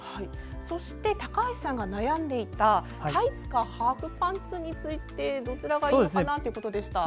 そして高橋さんが悩んでたタイツかハーフパンツについてどちらがいいかなということでした。